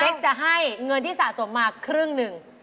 จะให้เงินที่สะสมมาครึ่งหนึ่ง